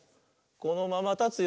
「このままたつよ」